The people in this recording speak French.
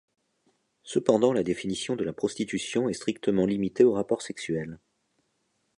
Cependant, la définition de la prostitution est strictement limitée au rapport sexuel.